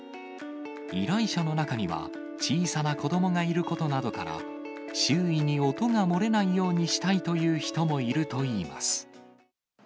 依頼者の中には、小さな子どもがいることなどから、周囲に音が漏れないようにしたいという人もいるといいます。